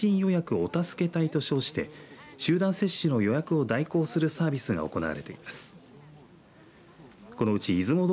お助け隊と称して集団接種の予約を代行するサービスが行われています。